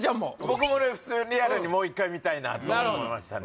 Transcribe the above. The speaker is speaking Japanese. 僕も普通にリアルにもう一回見たいなと思いましたね